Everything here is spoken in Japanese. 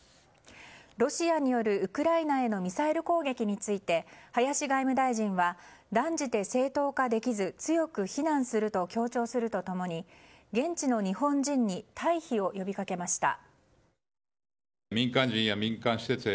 ロシアによるウクライナへのミサイル攻撃について林外務大臣は断じて正当化できず強く非難すると強調すると共に現地の日本人に退避を呼びかけました。